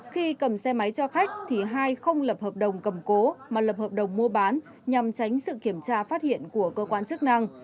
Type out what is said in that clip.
khi cầm xe máy cho khách thì hai không lập hợp đồng cầm cố mà lập hợp đồng mua bán nhằm tránh sự kiểm tra phát hiện của cơ quan chức năng